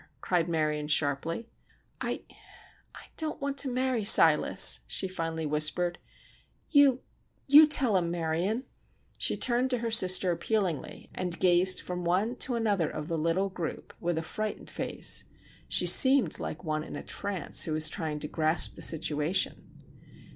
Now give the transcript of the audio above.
cried Marion sharply. "I—I don't want to marry Silas," she finally whispered. "You tell him, Marion," she turned to her sister appealingly, and gazed from one to another of the little group with a frightened face. She seemed like one in a trance who was trying to grasp the situation.